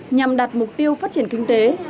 nhằm đặt mục tiêu phát triển kinh tế